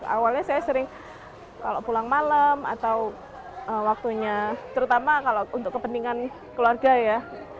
awalnya saya sering kalau pulang malam atau waktunya terutama kalau untuk kepentingan keluarga ya